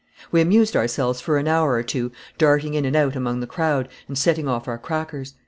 We amused ourselves for an hour or two, darting in and out among the crowd and setting off our crackers.